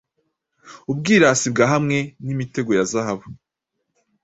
Ubwirasi bwa hamwe nimitego ya zahabu